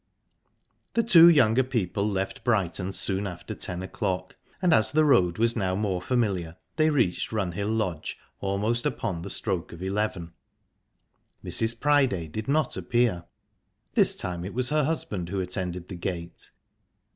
The two younger people left Brighton soon after ten o'clock, and as the road was now more familiar they reached Runhill Lodge almost upon the stroke of eleven. Mrs. Priday did not appear; this time it was her husband who attended the gate.